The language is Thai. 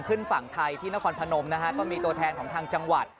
ขึ้นฝั่งไทยที่นครพนมนะฮะก็มีตัวแทนของทางจังหวัด